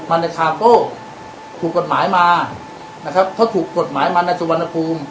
มันในคาโป้ถูกกฎหมายมานะครับเพราะถูกกฎหมายมาในสุวรรณภูมิ